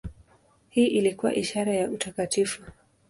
Hii ilikuwa ishara ya utakatifu.